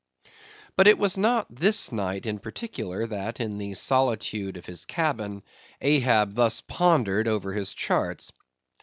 But it was not this night in particular that, in the solitude of his cabin, Ahab thus pondered over his charts.